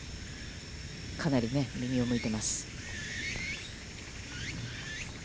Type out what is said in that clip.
かなり右を向いています。